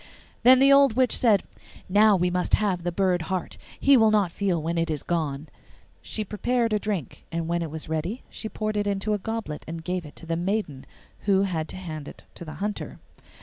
Then the old witch said, 'Now we must have the bird heart; he will not feel when it is gone.' She prepared a drink, and when it was ready she poured it in a goblet and gave it to the maiden, who had to hand it to the hunter.